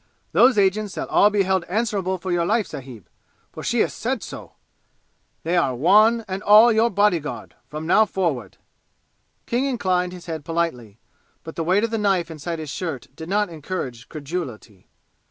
Those agents shall all be held answerable for your life, sahib, for she has said so! They are one and all your bodyguard, from now forward!" King inclined his head politely, but the weight of the knife inside his shirt did not encourage credulity.